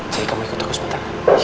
jadi kamu ikut aku sebentar